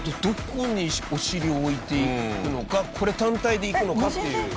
どこにお尻を置いていくのかこれ単体で行くのかっていう。